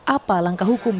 apa langkah hukumnya